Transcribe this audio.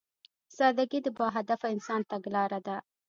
سادهګي د باهدفه انسان تګلاره ده.